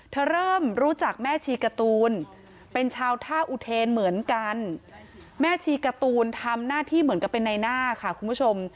เริ่มรู้จักแม่ชีการ์ตูนเป็นชาวท่าอุเทนเหมือนกันแม่ชีการ์ตูนทำหน้าที่เหมือนกับเป็นในหน้าค่ะคุณผู้ชม